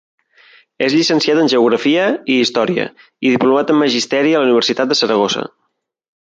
És llicenciat en geografia i història i diplomat en magisteri a la Universitat de Saragossa.